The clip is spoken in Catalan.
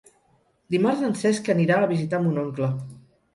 Dimarts en Cesc anirà a visitar mon oncle.